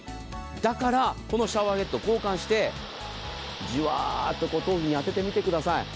だから、このシャワーヘッド交換してじわっと頭皮に当ててみてください。